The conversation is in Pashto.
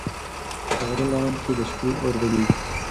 د غره لمن کې د شپې اور بلېږي.